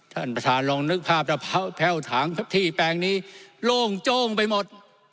ท่านประธานลองนึกภาพถ้าแพ่วถังที่แปลงนี้โล่งโจ้งไปหมด